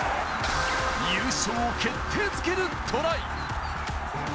優勝を決定づけるトライ！